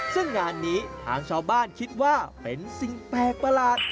ซึ่งงานนี้ทางชาวบ้านคิดว่าเป็นสิ่งแปลกประหลาด